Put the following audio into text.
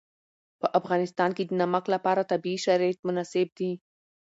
په افغانستان کې د نمک لپاره طبیعي شرایط مناسب دي.